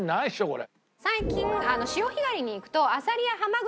これ。